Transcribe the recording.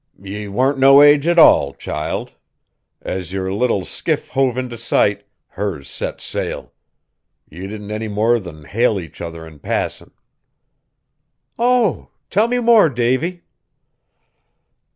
"Ye warn't no age at all, child; as yer little skiff hove int' sight, hers set sail. Ye didn't any more than hail each other in passin'." "Oh! tell me more, Davy."